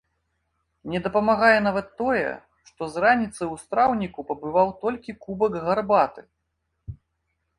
Не дапамагае нават тое, што з раніцы ў страўніку пабываў толькі кубак гарбаты!